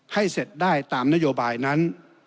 ให้เสร็จได้ตามนโยบายนั้น